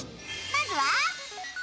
まずは。